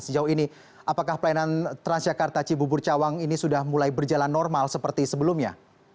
sejauh ini apakah pelayanan transjakarta cibubur cawang ini sudah mulai berjalan normal seperti sebelumnya